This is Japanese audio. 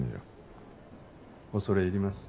恐れ入ります。